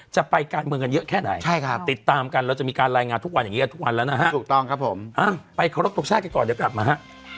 จะไปการเมืองกันเยอะแค่ไหนติดตามกันเราจะมีการรายงานทุกวันอย่างนี้กันทุกวันแล้วนะฮะไปครบตรงชาติก่อนเดี๋ยวกลับมาฮะ